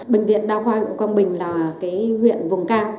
bệnh viện đa hoa hữu quang bình là huyện vùng cao